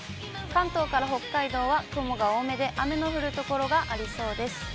関東から北海道は雲が多めで、雨の降る所がありそうです。